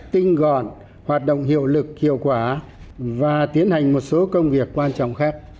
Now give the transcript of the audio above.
tinh gọn hoạt động hiệu lực hiệu quả và tiến hành một số công việc quan trọng khác